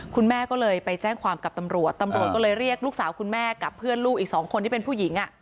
คุณแม่ก็เลยไปแจ้งความกับตำรวจตำรวจก็เลยเรียกลูกสาวคุณแม่กับเพื่อนลูกอีกสองคนที่เป็นผู้หญิง